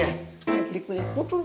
saya beli kue putu